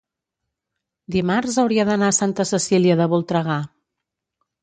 dimarts hauria d'anar a Santa Cecília de Voltregà.